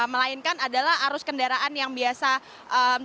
melainkan adalah arus kendaraan yang biasa terjadi